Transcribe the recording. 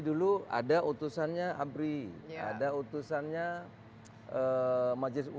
dulu ada utusannya abri ada utusannya eee